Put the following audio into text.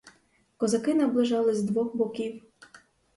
Козаки наближались з двох боків.